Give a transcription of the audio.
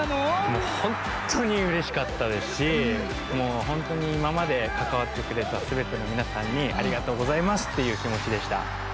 もうほんとにうれしかったですしもうほんとにいままでかかわってくれたすべてのみなさんにありがとうございますっていうきもちでした。